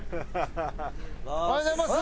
おはようございます！